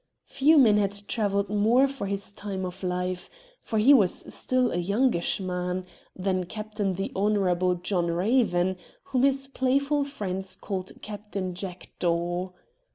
Few men had travelled more for his time of life — for he was still a youngish man — than Captain the Honourable John Raven, whom his playful friends called Captain Jackdaw.